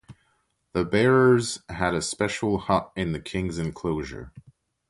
The bearers had a special hut in the king's enclosure.